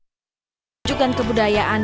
kebenaran untuk menunjukkan kebudayaan